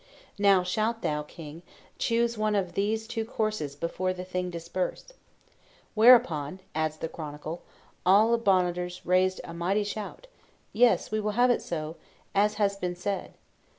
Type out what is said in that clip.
Now shalt thou, king, choose one of these two courses before the Thing disperse." "Whereupon," adds the Chronicle, "all the Bonders raised a mighty shout, 'Yes, we will have it so, as has been said.'"